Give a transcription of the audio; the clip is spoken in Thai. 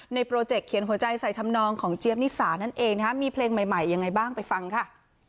โปรเจกต์เขียนหัวใจใส่ทำนองของเจี๊ยบนิสานั่นเองนะฮะมีเพลงใหม่ยังไงบ้างไปฟังค่ะ